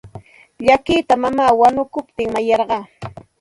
Llakita mamaa wanukuptin mayarqaa.